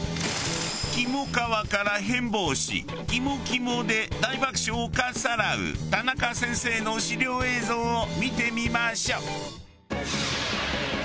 キモカワから変貌しキモキモで大爆笑をかっさらう田中先生の資料映像を見てみましょう。